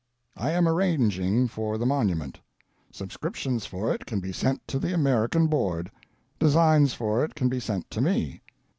I am arranging for the monument. Subscrip tions for it can be sent to the American Board ; designs for it can be sent to me.